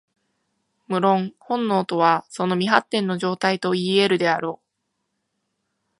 無論、本能とはその未発展の状態といい得るであろう。